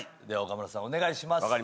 では岡村さんお願いします。